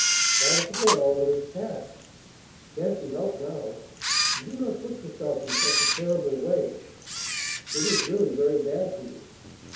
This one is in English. "Try to forget all that is past, it can't be helped now; and do not put yourself in such a terrible way, it is really very bad for you.